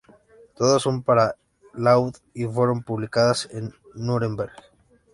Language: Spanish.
Todas son para laúd y fueron publicadas en Núremberg.